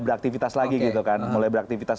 beraktivitas lagi gitu kan mulai beraktivitas